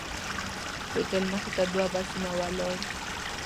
د هوټل مخې ته دوه بسونه ولاړ وو.